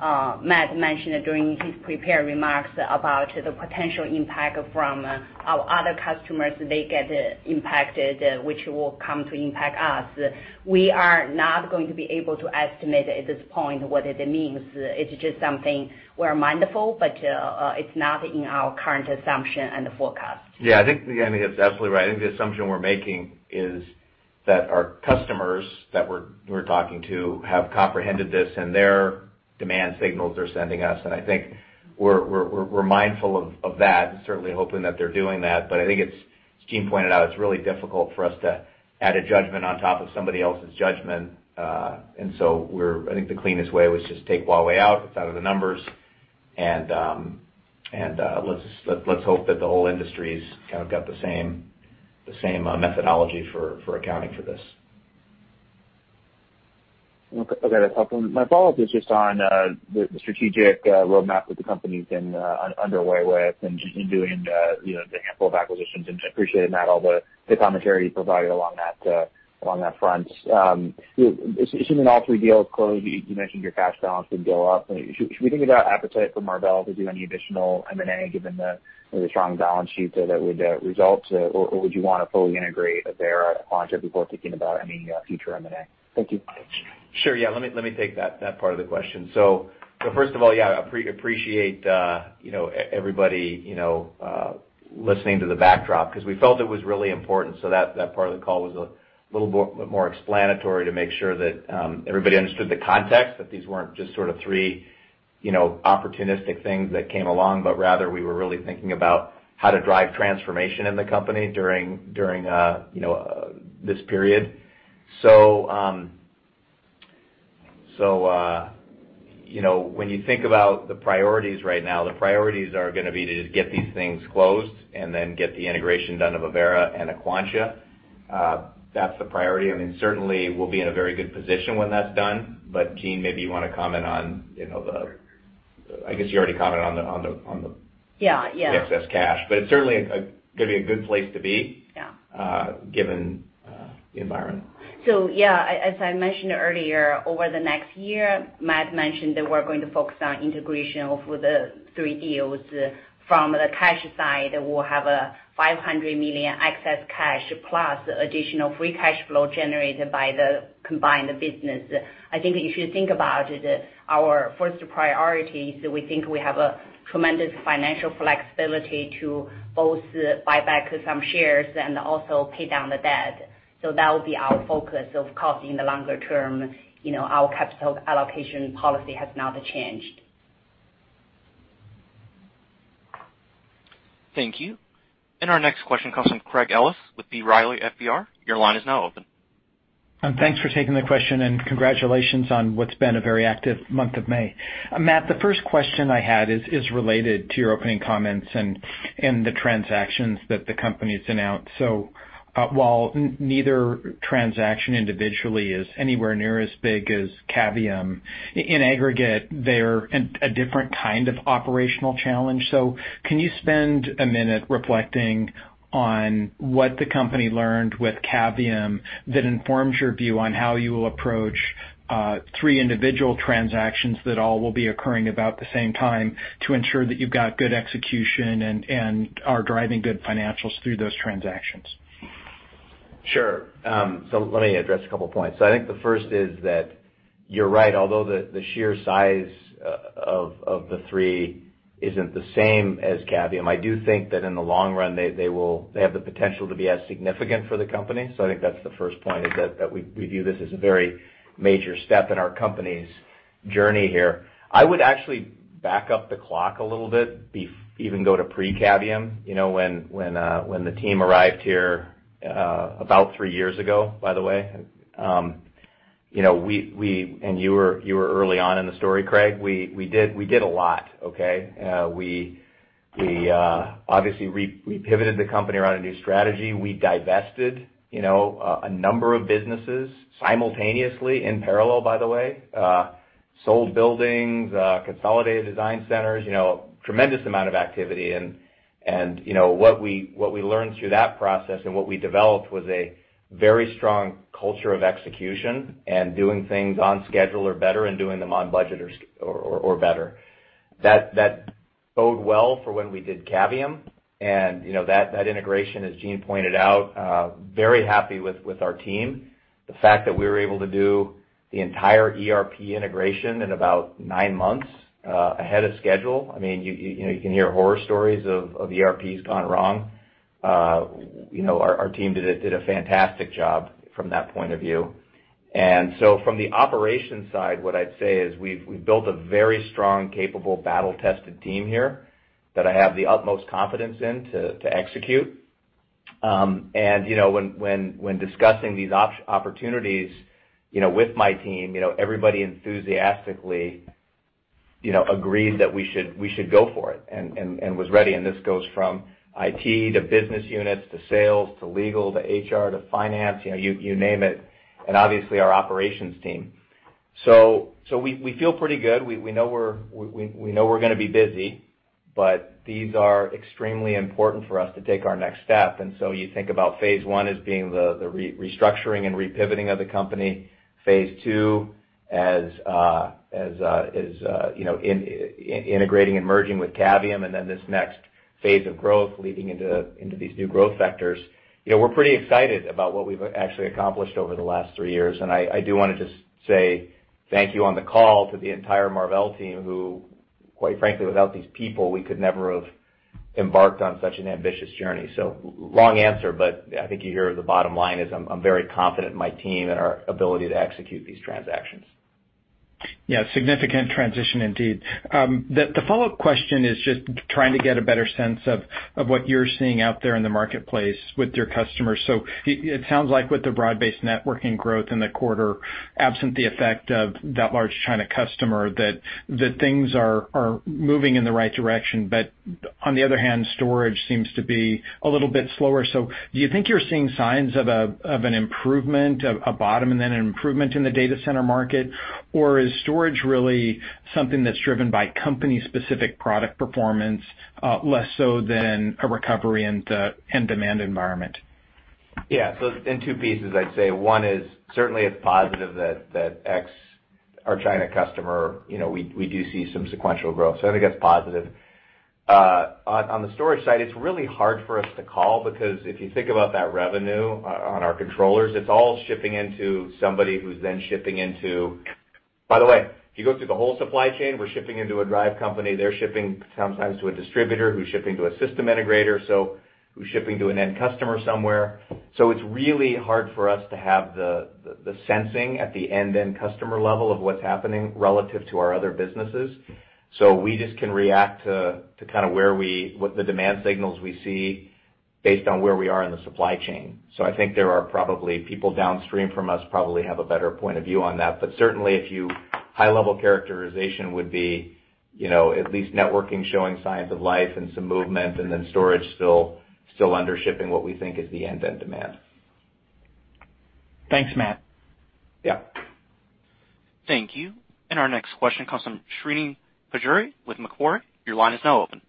Matt mentioned during his prepared remarks about the potential impact from our other customers, they get impacted, which will come to impact us. We are not going to be able to estimate at this point what it means. It's just something we're mindful, but it's not in our current assumption and forecast. Yeah, I think, again, that's absolutely right. I think the assumption we're making is that our customers that we're talking to have comprehended this and their demand signals they're sending us, and I think we're mindful of that and certainly hoping that they're doing that. I think as Jean pointed out, it's really difficult for us to add a judgment on top of somebody else's judgment. I think the cleanest way was just take Huawei out. It's out of the numbers, and let's hope that the whole industry's kind of got the same methodology for accounting for this. Okay. That's helpful. My follow-up is just on the strategic roadmap that the company's been underway with and doing the handful of acquisitions, and appreciated that all the commentary you provided along that front. Assuming all three deals close, you mentioned your cash balance would go up. Should we think about appetite for Marvell to do any additional M&A given the really strong balance sheet that would result? Or would you want to fully integrate Avera, Aquantia before thinking about any future M&A? Thank you. Sure. Yeah, let me take that part of the question. First of all, yeah, I appreciate everybody listening to the backdrop because we felt it was really important so that part of the call was a little bit more explanatory to make sure that everybody understood the context, that these weren't just sort of three opportunistic things that came along, but rather we were really thinking about how to drive transformation in the company during this period. When you think about the priorities right now, the priorities are going to be to get these things closed and then get the integration done of Avera and Aquantia. That's the priority. Certainly, we'll be in a very good position when that's done. Jean, maybe you want to comment on the- Sure. I guess you already commented on the Yeah excess cash. It's certainly going to be a good place to be. Yeah Given the environment. Yeah, as I mentioned earlier, over the next year, Matt mentioned that we're going to focus on integration of the three deals. From the cash side, we'll have a $500 million excess cash plus additional free cash flow generated by the combined business. I think if you think about it, our first priority is we think we have a tremendous financial flexibility to both buy back some shares and also pay down the debt. That will be our focus. Of course, in the longer term, our capital allocation policy has not changed. Thank you. Our next question comes from Craig Ellis with B. Riley FBR. Your line is now open. Thanks for taking the question, and congratulations on what's been a very active month of May. Matt, the first question I had is related to your opening comments and the transactions that the company's announced. While neither transaction individually is anywhere near as big as Cavium, in aggregate, they're a different kind of operational challenge. Can you spend a minute reflecting on what the company learned with Cavium that informs your view on how you will approach three individual transactions that all will be occurring about the same time to ensure that you've got good execution and are driving good financials through those transactions? Sure. Let me address a couple points. I think the first is that you're right, although the sheer size of the three isn't the same as Cavium, I do think that in the long run, they have the potential to be as significant for the company. I think that's the first point, is that we view this as a very major step in our company's journey here. I would actually back up the clock a little bit, even go to pre-Cavium, when the team arrived here, about three years ago, by the way. You were early on in the story, Craig. We did a lot, okay? Obviously, we pivoted the company around a new strategy. We divested a number of businesses simultaneously in parallel, by the way. Sold buildings, consolidated design centers, a tremendous amount of activity. What we learned through that process and what we developed was a very strong culture of execution and doing things on schedule or better, and doing them on budget or better. That bode well for when we did Cavium, and that integration, as Jean pointed out, very happy with our team. The fact that we were able to do the entire ERP integration in about nine months ahead of schedule. You can hear horror stories of ERPs gone wrong. Our team did a fantastic job from that point of view. From the operations side, what I'd say is we've built a very strong, capable, battle-tested team here that I have the utmost confidence in to execute. When discussing these opportunities with my team, everybody enthusiastically agrees that we should go for it and was ready, and this goes from IT to business units to sales to legal to HR to finance, you name it, and obviously our operations team. We feel pretty good. We know we're going to be busy, but these are extremely important for us to take our next step. You think about phase 1 as being the restructuring and re-pivoting of the company, phase 2 as integrating and merging with Cavium, and then this next phase of growth leading into these new growth vectors. We're pretty excited about what we've actually accomplished over the last three years, and I do want to just say thank you on the call to the entire Marvell team, who, quite frankly, without these people, we could never have embarked on such an ambitious journey. Long answer, but I think you hear the bottom line is I'm very confident in my team and our ability to execute these transactions. Significant transition indeed. The follow-up question is just trying to get a better sense of what you're seeing out there in the marketplace with your customers. It sounds like with the broad-based networking growth in the quarter, absent the effect of that large China customer, that things are moving in the right direction. On the other hand, storage seems to be a little bit slower. Do you think you're seeing signs of an improvement, a bottom and then an improvement in the data center market? Or is storage really something that's driven by company-specific product performance, less so than a recovery in demand environment? In two pieces, I'd say one is certainly it's positive that X, our China customer we do see some sequential growth. I think that's positive. On the storage side, it's really hard for us to call because if you think about that revenue on our controllers, it's all shipping into somebody who's then shipping into By the way, if you go through the whole supply chain, we're shipping into a drive company. They're shipping sometimes to a distributor who's shipping to a system integrator, who's shipping to an end customer somewhere. It's really hard for us to have the sensing at the end-to-end customer level of what's happening relative to our other businesses. We just can react to kind of what the demand signals we see based on where we are in the supply chain. I think there are probably people downstream from us probably have a better point of view on that. Certainly, high-level characterization would be at least networking showing signs of life and some movement, and then storage still under shipping what we think is the end-to-end demand. Thanks, Matt. Yeah. Thank you. Our next question comes from Srini Pajjuri with Macquarie. Your line is now open.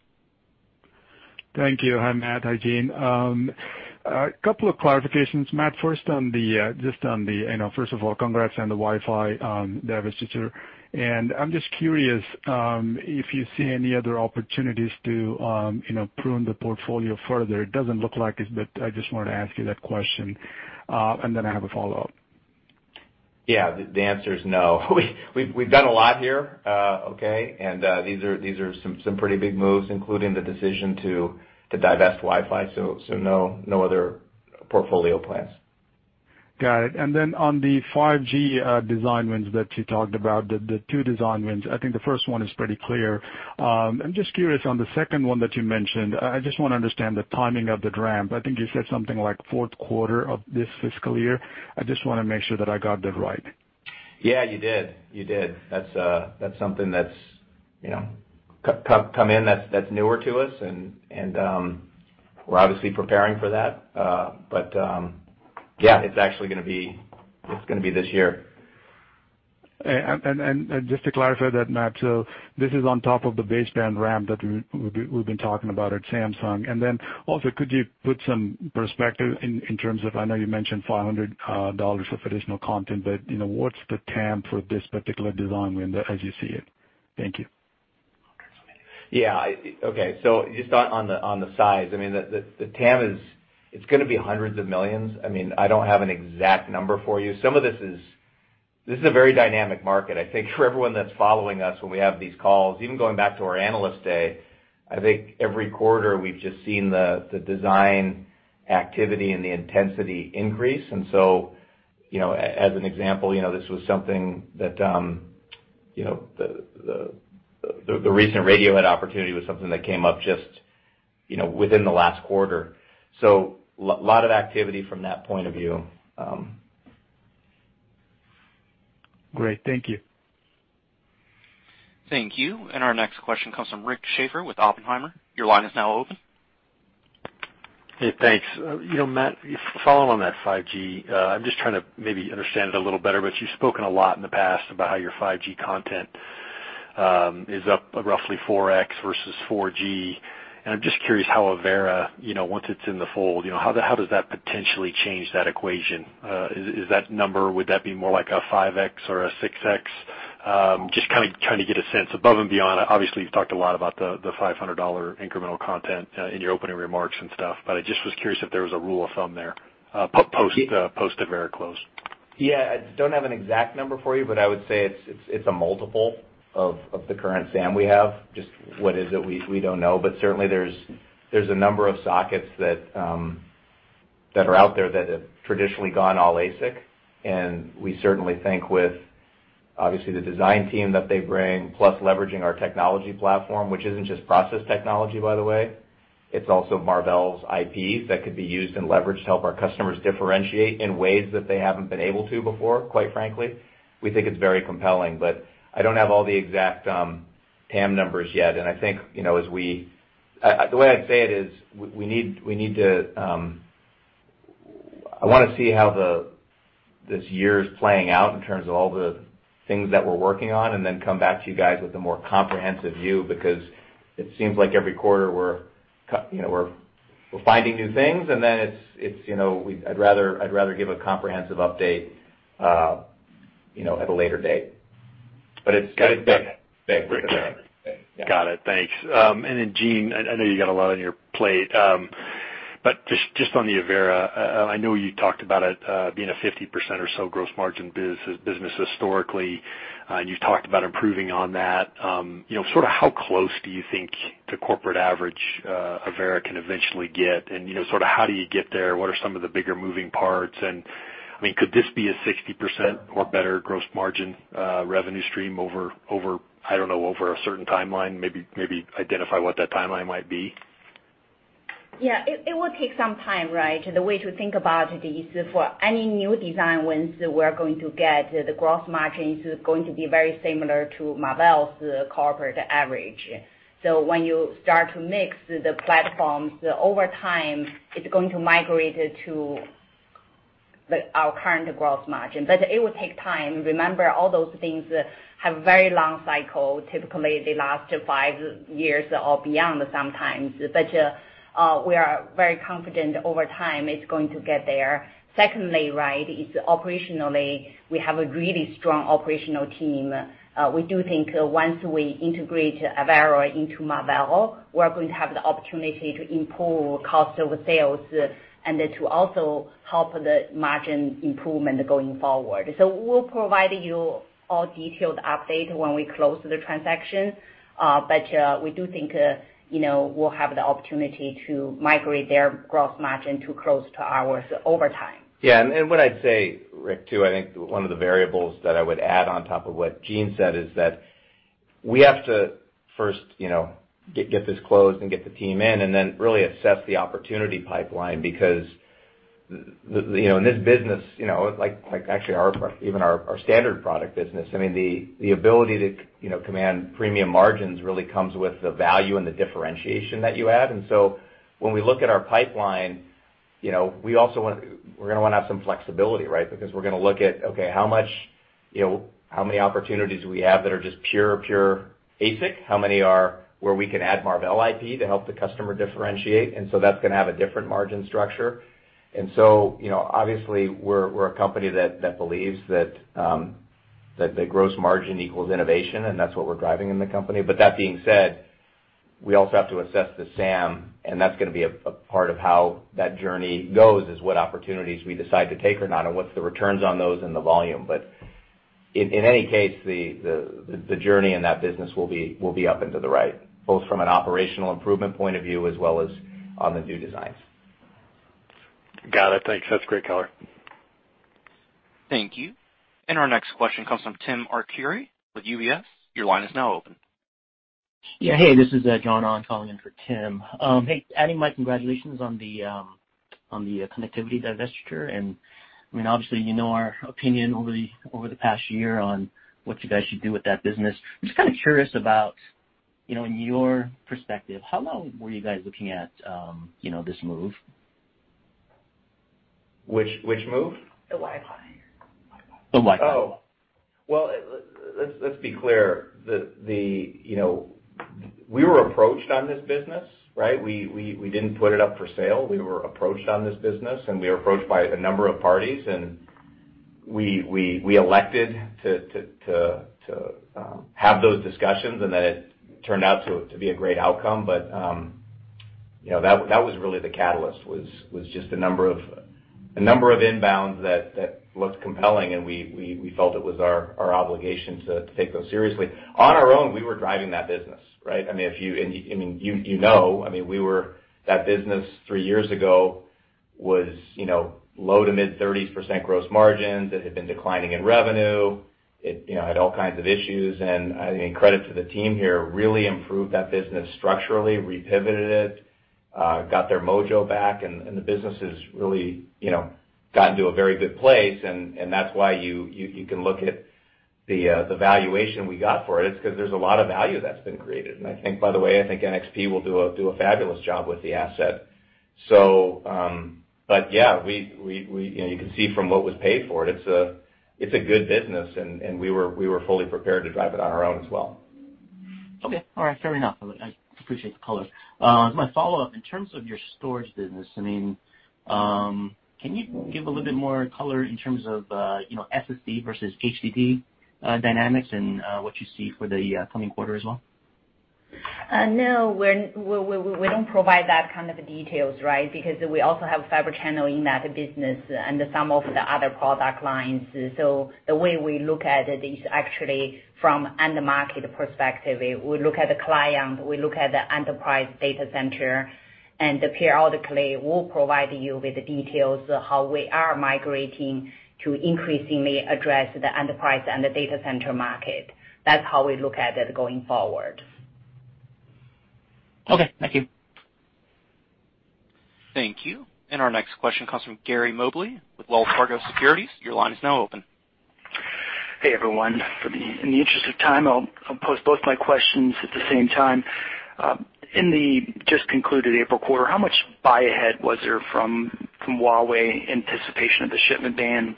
Thank you. Hi, Matt. Hi, Jean. A couple of clarifications, Matt. First of all, congrats on the Wi-Fi divestiture. I'm just curious if you see any other opportunities to prune the portfolio further. It doesn't look like it, but I just wanted to ask you that question. Then I have a follow-up. Yeah, the answer is no. We've done a lot here, okay? These are some pretty big moves, including the decision to divest Wi-Fi. No other portfolio plans. Got it. On the 5G design wins that you talked about, the two design wins, I think the first one is pretty clear. I'm just curious on the second one that you mentioned, I just want to understand the timing of that ramp. I think you said something like fourth quarter of this fiscal year. I just want to make sure that I got that right. Yeah, you did. That's something that's come in that's newer to us, and we're obviously preparing for that. Yeah, it's actually going to be this year. Just to clarify that, Matt, this is on top of the baseband ramp that we've been talking about at Samsung. Also, could you put some perspective in terms of, I know you mentioned $500 of additional content, but what's the TAM for this particular design win as you see it? Thank you. Yeah. Okay. Just on the size, the TAM is going to be $hundreds of millions. I don't have an exact number for you. This is a very dynamic market. I think for everyone that's following us when we have these calls, even going back to our Analyst Day, I think every quarter, we've just seen the design activity and the intensity increase. As an example, this was something that the recent radio head opportunity was something that came up just within the last quarter. A lot of activity from that point of view. Great. Thank you. Thank you. Our next question comes from Rick Schafer with Oppenheimer. Your line is now open. Hey, thanks. Matt, following on that 5G, I'm just trying to maybe understand it a little better, but you've spoken a lot in the past about how your 5G content is up roughly 4X versus 4G. I'm just curious how Avera, once it's in the fold, how does that potentially change that equation? Is that number, would that be more like a 5X or a 6X? Just kind of trying to get a sense above and beyond. Obviously, you've talked a lot about the $500 incremental content in your opening remarks and stuff, but I just was curious if there was a rule of thumb there post Avera close. Yeah. I don't have an exact number for you, but I would say it's a multiple of the current SAM we have. Just what is it? We don't know, but certainly there's a number of sockets that are out there that have traditionally gone all ASIC. We certainly think with, obviously, the design team that they bring, plus leveraging our technology platform, which isn't just process technology, by the way, it's also Marvell's IPs that could be used and leveraged to help our customers differentiate in ways that they haven't been able to before, quite frankly. We think it's very compelling, I don't have all the exact TAM numbers yet. I think the way I'd say it is I want to see how this year is playing out in terms of all the things that we're working on and then come back to you guys with a more comprehensive view, because it seems like every quarter we're finding new things I'd rather give a comprehensive update at a later date. It's big. Got it. Thanks. Jean, I know you got a lot on your plate. Just on the Avera, I know you talked about it being a 50% or so gross margin business historically, you've talked about improving on that. Sort of how close do you think the corporate average Avera can eventually get? Sort of how do you get there? What are some of the bigger moving parts? Could this be a 60% or better gross margin revenue stream over, I don't know, over a certain timeline? Maybe identify what that timeline might be. Yeah. It will take some time, right? The way to think about it is for any new design wins we're going to get, the gross margin is going to be very similar to Marvell's corporate average. When you start to mix the platforms, over time, it's going to migrate to our current gross margin. It will take time. Remember, all those things have very long cycle. Typically, they last to five years or beyond sometimes. We are very confident over time it's going to get there. Secondly, right, is operationally, we have a really strong operational team. We do think once we integrate Avera into Marvell, we're going to have the opportunity to improve cost of sales and to also help the margin improvement going forward. We'll provide you all detailed update when we close the transaction. We do think we'll have the opportunity to migrate their gross margin to close to ours over time. Yeah. What I'd say, Rick, too, I think one of the variables that I would add on top of what Jean said is that we have to first get this closed and get the team in and then really assess the opportunity pipeline, because in this business, like actually even our standard product business, the ability to command premium margins really comes with the value and the differentiation that you add. When we look at our pipeline, we're going to want to have some flexibility, right? Because we're going to look at, okay, how many opportunities we have that are just pure ASIC? How many are where we can add Marvell IP to help the customer differentiate? That's going to have a different margin structure. Obviously we're a company that believes that gross margin equals innovation, and that's what we're driving in the company. That being said, we also have to assess the SAM, and that's going to be a part of how that journey goes, is what opportunities we decide to take or not, and what's the returns on those and the volume. In any case, the journey in that business will be up and to the right, both from an operational improvement point of view as well as on the new designs. Got it. Thanks. That's great color. Thank you. Our next question comes from Tim Arcuri with UBS. Your line is now open. Yeah. Hey, this is John on calling in for Tim. Hey, adding my congratulations on the connectivity divestiture. Obviously you know our opinion over the past year on what you guys should do with that business. I'm just kind of curious about in your perspective, how long were you guys looking at this move? Which move? The Wi-Fi. The Wi-Fi. Oh. Well, let's be clear. We were approached on this business, right? We didn't put it up for sale. We were approached on this business, and we were approached by a number of parties, and we elected to have those discussions, and then it turned out to be a great outcome. That was really the catalyst, was just a number of inbounds that looked compelling, and we felt it was our obligation to take those seriously. On our own, we were driving that business, right? You know, that business three years ago Was low to mid 30s% gross margins. It had been declining in revenue. It had all kinds of issues, and credit to the team here, really improved that business structurally, re-pivoted it, got their mojo back, and the business has really gotten to a very good place, and that's why you can look at the valuation we got for it. It's because there's a lot of value that's been created. I think, by the way, I think NXP will do a fabulous job with the asset. Yeah. You can see from what was paid for it's a good business, and we were fully prepared to drive it on our own as well. Okay. All right. Fair enough. I appreciate the color. As my follow-up, in terms of your storage business, can you give a little bit more color in terms of SSD versus HDD dynamics and what you see for the coming quarter as well? No, we don't provide that kind of details, right? We also have Fibre Channel in that business and some of the other product lines. The way we look at it is actually from end market perspective. We look at the client, we look at the enterprise data center, and periodically, we'll provide you with the details of how we are migrating to increasingly address the enterprise and the data center market. That's how we look at it going forward. Okay, thank you. Thank you. Our next question comes from Gary Mobley with Wells Fargo Securities. Your line is now open. Hey, everyone. In the interest of time, I'll pose both my questions at the same time. In the just concluded April quarter, how much buy ahead was there from Huawei in anticipation of the shipment ban?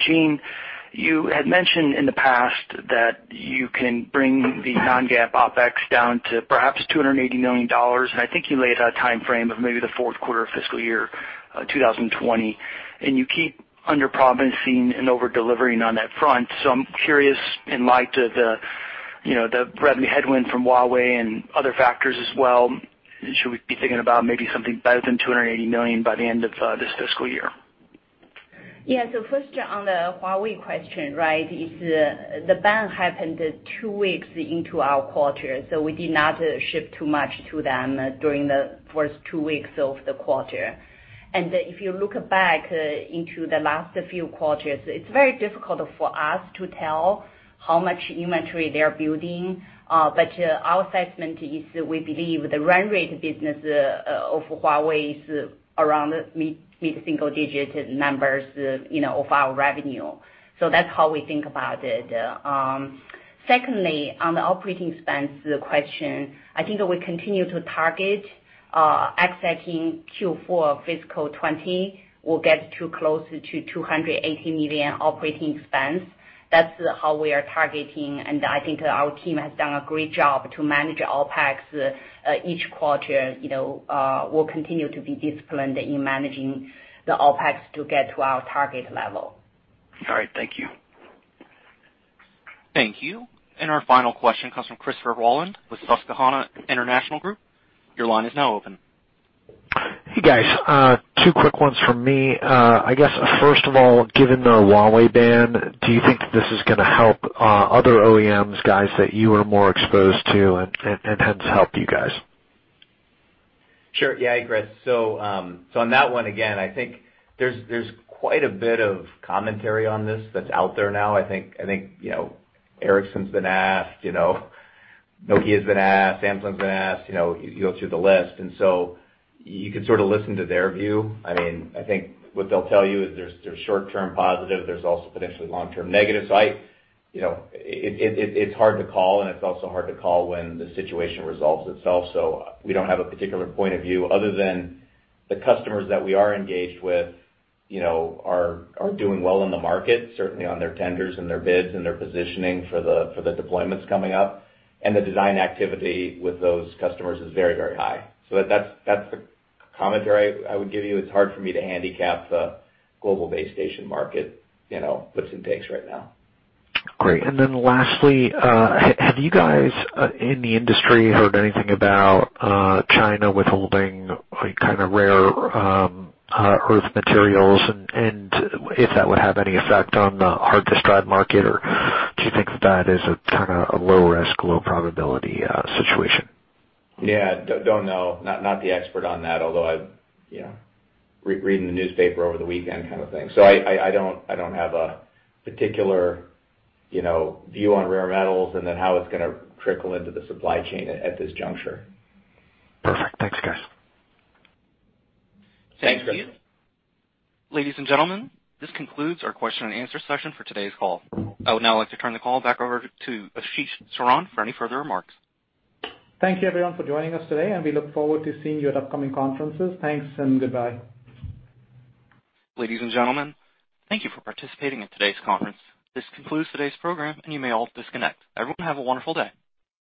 Jean, you had mentioned in the past that you can bring the non-GAAP OpEx down to perhaps $280 million, and I think you laid out a timeframe of maybe the fourth quarter of fiscal year 2020, and you keep under-promising and over-delivering on that front. I'm curious, in light of the revenue headwind from Huawei and other factors as well, should we be thinking about maybe something better than $280 million by the end of this fiscal year? First, on the Huawei question, right? The ban happened two weeks into our quarter, so we did not ship too much to them during the first two weeks of the quarter. If you look back into the last few quarters, it's very difficult for us to tell how much inventory they're building, but our assessment is we believe the run rate business of Huawei is around mid-single digit numbers of our revenue. That's how we think about it. Secondly, on the operating expense question, I think we continue to target exiting Q4 of fiscal 2020. We'll get to closer to $280 million operating expense. That's how we are targeting, and I think our team has done a great job to manage OpEx each quarter. We'll continue to be disciplined in managing the OpEx to get to our target level. All right, thank you. Thank you. Our final question comes from Christopher Rolland with Susquehanna International Group. Your line is now open. Hey, guys. Two quick ones from me. I guess, first of all, given the Huawei ban, do you think this is going to help other OEMs, guys that you are more exposed to, and hence help you guys? Sure. Chris. On that one, again, I think there's quite a bit of commentary on this that's out there now. I think Ericsson's been asked, Nokia's been asked, Samsung's been asked. You go through the list. You could sort of listen to their view. I think what they'll tell you is there's short-term positive, there's also potentially long-term negative. It's hard to call, and it's also hard to call when the situation resolves itself. We don't have a particular point of view other than the customers that we are engaged with are doing well in the market, certainly on their tenders and their bids and their positioning for the deployments coming up. The design activity with those customers is very, very high. That's the commentary I would give you. It's hard for me to handicap the global base station market, what's in base right now. Great. Lastly, have you guys in the industry heard anything about China withholding rare earth materials, and if that would have any effect on the hard disk drive market, or do you think that is a low risk, low probability situation? Yeah. Don't know. Not the expert on that, although I'm reading the newspaper over the weekend kind of thing. I don't have a particular view on rare metals and then how it's going to trickle into the supply chain at this juncture. Perfect. Thanks, guys. Thanks, Chris. Thank you. Ladies and gentlemen, this concludes our question and answer session for today's call. I would now like to turn the call back over to Ashish Saran for any further remarks. Thank you, everyone, for joining us today, and we look forward to seeing you at upcoming conferences. Thanks and goodbye. Ladies and gentlemen, thank you for participating in today's conference. This concludes today's program, and you may all disconnect. Everyone, have a wonderful day.